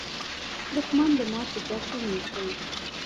دښمن د ماتې جشن نیسي